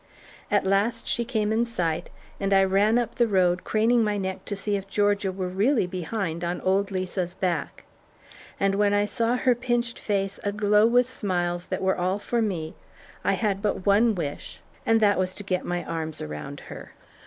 At last she came in sight and I ran up the road craning my neck to see if Georgia were really behind on old Lisa's back, and when I saw her pinched face aglow with smiles that were all for me, I had but one wish, and that was to get my arms around her.